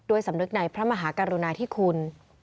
ด้วยสำนึกในพระมหากรุณาที่คุณ